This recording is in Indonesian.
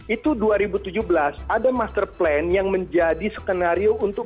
itu dua ribu tujuh belas ada master plan yang menjadi skenario untuk